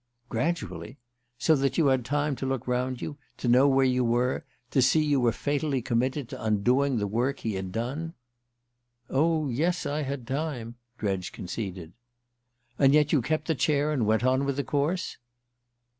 "Gradually? So that you had time to look round you, to know where you were, to see you were fatally committed to undoing the work he had done?" "Oh, yes I had time," Dredge conceded. "And yet you kept the chair and went on with the course?"